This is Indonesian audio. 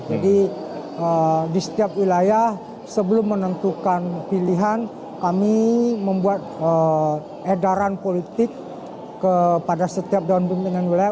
jadi di setiap wilayah sebelum menentukan pilihan kami membuat edaran politik kepada setiap daun pembimbingan wilayah